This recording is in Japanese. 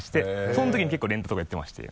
その時に結構連打とかやってまして。